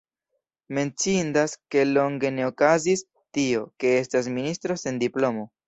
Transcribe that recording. Menciindas, ke longe ne okazis tio, ke estas ministro sen diplomo.